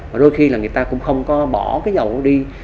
và đôi khi là người ta cũng không có bỏ cái dầu đi